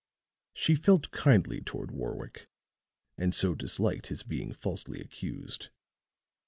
She felt kindly toward Warwick, and so disliked his being falsely accused.